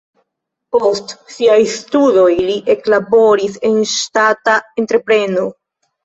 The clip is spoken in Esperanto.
Post siaj studoj li eklaboris en ŝtata entrepreno.